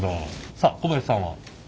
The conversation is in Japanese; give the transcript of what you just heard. さあ小林さんは？